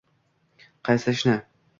Qaysi ishni?